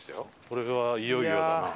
これはいよいよだな。